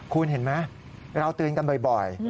คุณเห็นไหมเราเตือนกันบ่อย